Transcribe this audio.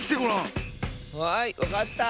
はいわかった！